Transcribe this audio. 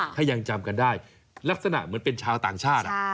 ถ้ายังจำกันได้ลักษณะเหมือนเป็นชาวต่างชาติ